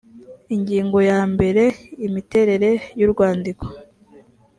ingingo ya mbere imiterere y urwandiko